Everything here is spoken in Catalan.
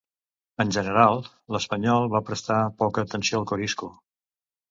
En general, l'espanyol va prestar poca atenció a Corisco.